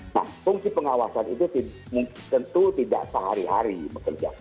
nah fungsi pengawasan itu tentu tidak sehari hari bekerja